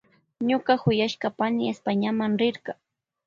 Ñuka kuyashka pani Españama rirka.